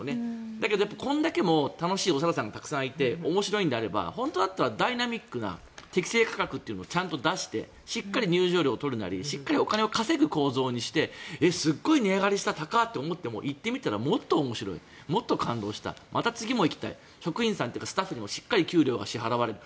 だけど、これだけ楽しいお猿さんがたくさんいて面白いんであれば、本当だったらダイナミックな適正価格をちゃんと出してしっかり入場料を取るなりしっかりお金を稼ぐ構造にしてすごい値上がりした、高っ！と思っても行ってみたら、もっと面白いもっと感動したまた次も行きたい職員さんとかスタッフにもしっかり給料が支払われる。